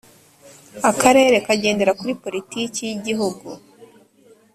akarere kagendera kuri politiki yigihugu.